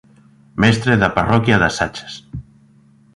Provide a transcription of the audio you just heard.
Mestre da parroquia das Achas.